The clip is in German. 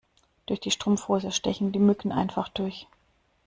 Durch die Strumpfhose stechen die Mücken einfach durch.